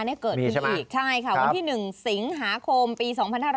มีใช่ไหมใช่ค่ะวันที่๑สิงหาคมปี๒๕๕๑